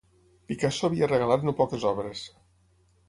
Picasso havia regalat no poques obres.